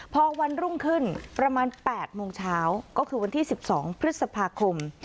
พอวันรุ่งขึ้นประมาณ๘โมงเช้าก็คือวันที่๑๒พฤษภาคม